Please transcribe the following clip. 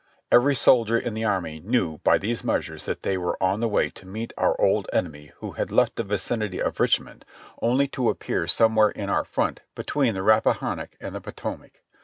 Every soldier in the army knew by these measures that they were on the way to meet our old enemy who had left the vicinity of Richmond only to appear somewhere in our front between the Rappahannock and the Potomac.